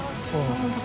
本当だ。